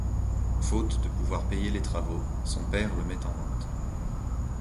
Faute de pouvoir payer les travaux, son père le met en vente.